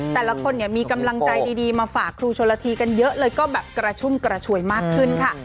แต่ละคนเนี่ยมีกำลังใจดีมาฝากครูชนละทีกันเยอะเลยก็แบบกระชุ่มกระชวยมากขึ้นค่ะ